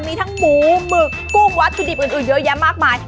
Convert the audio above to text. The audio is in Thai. มีทั้งหมูหมึกกุ้งวัตถุดิบอื่นเยอะแยะมากมาย